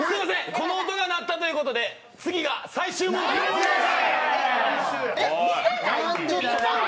この音が鳴ったということで次が最終問題です。